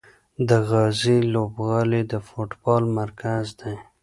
د غازي لوبغالی د فوټبال مرکز دی.